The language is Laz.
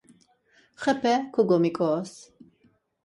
Xepe koǩomiǩores.